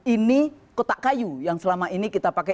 ini kotak kayu yang selama ini kita pakai